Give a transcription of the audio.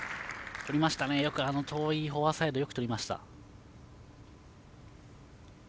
遠いフォアサイドよく取りました。